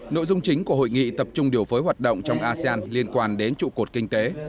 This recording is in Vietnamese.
nội dung chính của hội nghị tập trung điều phối hoạt động trong asean liên quan đến trụ cột kinh tế